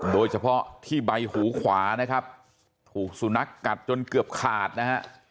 โดยเฉพาะที่ใบหูขวานะครับถูกสุนัขกัดจนเกือบขาดนะฮะ